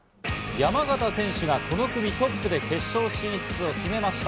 山縣選手がこの組トップで決勝進出を決めました。